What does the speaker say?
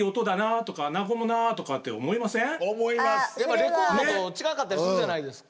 レコードと近かったりするじゃないですか。